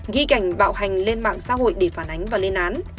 ghi cảnh bạo hành lên mạng xã hội để phản ánh và lên án